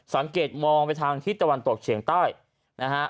สังเกตมองไปทางทิศตะวันตกเฉียงใต้นะฮะ